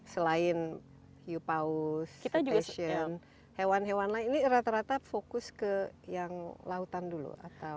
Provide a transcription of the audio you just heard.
selain yupaus cretaceous hewan hewan lain ini rata rata fokus ke yang lautan dulu atau